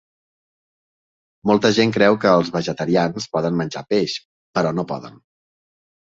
Molta gent creu que els vegetarians poden menjar peix, però no poden